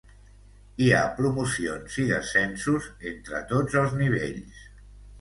Hi ha promocions i descensos entre tots els nivells.